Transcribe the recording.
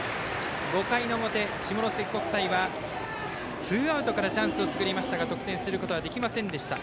５回の表、下関国際はツーアウトからチャンスを作りましたが得点することができませんでした。